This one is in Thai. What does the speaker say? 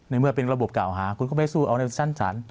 เมื่อเป็นระบบกล่าวหาคุณก็ไม่สู้เอาในชั้นศาล